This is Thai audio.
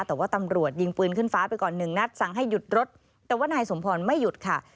แต่ว่าตำรวจยิงปืนขึ้นฟ้าไปก่อนหนึ่งนัดสั่งให้หยุดรถแต่ว่านายสมพรไม่หยุดค่ะ